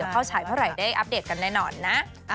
เข้าฉายเมื่อไหร่ได้อัปเดตกันแน่นอนนะ